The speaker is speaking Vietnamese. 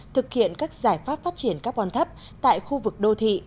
thực hiện các giải pháp phát triển carbon thấp tại khu vực đô thị